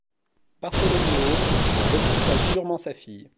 Bartholoméo repoussa durement sa fille.